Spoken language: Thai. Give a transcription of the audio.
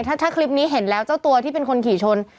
ถ้าคลิปนี้เห็นแล้วเจ้าตัวที่เป็นคนขี่ชน